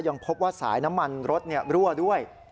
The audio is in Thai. ยังพบว่าสายน้ำมันรถรั่วด้วย